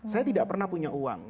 saya tidak pernah punya uang